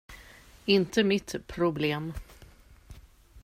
Inte mitt problem.